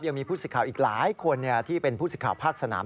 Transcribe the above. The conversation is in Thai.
ยังมีผู้สิทธิ์ข่าวอีกหลายคนที่เป็นผู้สิทธิ์ภาคสนาม